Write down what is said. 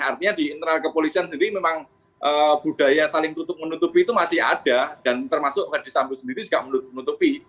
artinya di internal kepolisian sendiri memang budaya saling tutup menutupi itu masih ada dan termasuk verdi sambo sendiri juga menutupi